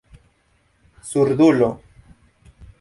surdulo